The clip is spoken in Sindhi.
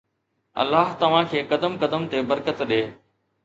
الله توهان کي قدم قدم تي برڪت ڏي.